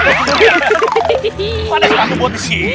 pak dek satu buat di sini